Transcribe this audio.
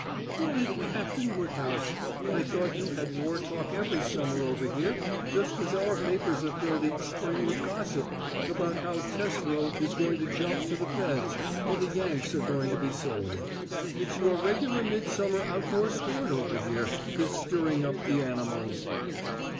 "Why, Captain Woodhouse, I thought you had war talk every summer over here just as our papers are filled each spring with gossip about how Tesreau is going to jump to the Feds, or the Yanks are going to be sold. It's your regular midsummer outdoor sport over here, this stirring up the animals."